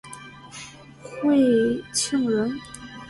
讳庆仁。